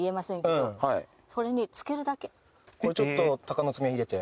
これちょっとたかのつめ入れて？